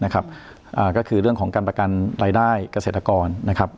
ก็คือเรื่องของการประกันรายได้เกษตรกรนะครับ